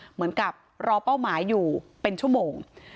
เหมือนกับรอเป้าหมายอยู่เป็นชั่วโมง